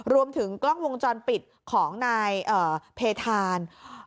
รวมถึงกล้องวงจรปิดของนายเพธาน